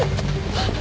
あっ！